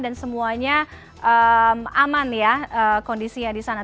dan semuanya aman ya kondisi yang di sana